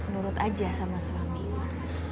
nurut aja sama suaminya